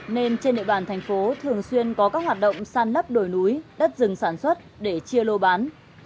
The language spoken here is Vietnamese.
nên trên địa bàn thành phố thường xuyên có các hoạt động san lấp đồi núi đất rừng sản xuất để chia lô bán